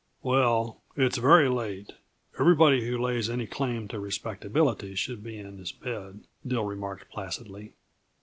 "Well, it's very late. Everybody who lays any claim to respectability should be in his bed," Dill remarked placidly.